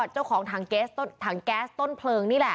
เจ้าของถังเกซถังแก๊สต้นเผิงนี่แหละ